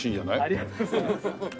ありがとうございます。